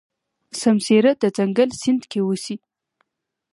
سمسيره د ځنګل سیند کې اوسي.